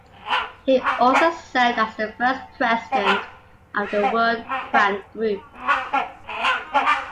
He also served as the first President of the World Bank Group.